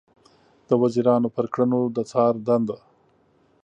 د وزیرانو پر کړنو د څار دنده